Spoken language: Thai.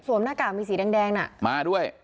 สวมหน้ากากมีสีแดงมาด้วย